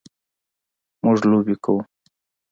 مونږ لوبې کوو